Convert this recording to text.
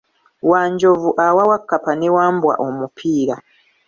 Wanjovu awa Wakkapa ne Wambwa omupiira.